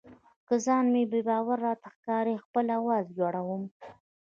که ځان بې باوره راته ښکاري خپل آواز لوړوم.